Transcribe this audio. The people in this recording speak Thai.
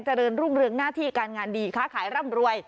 เจริญรุ่งเรืองหน้าที่การงานดีค้าขายร่ำรวย